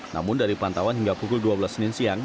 namun dari pantauan hingga pukul dua belas senin siang